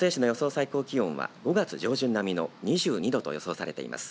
最高気温は５月上旬並みの２２度と予想されています。